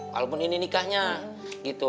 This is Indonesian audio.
walaupun ini nikahnya gitu